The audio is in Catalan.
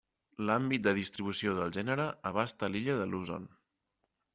L'àmbit de distribució del gènere abasta l'illa de Luzon.